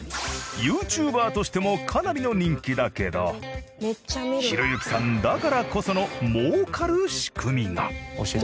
ＹｏｕＴｕｂｅｒとしてもかなりの人気だけどひろゆきさんだからこその儲かる仕組みが。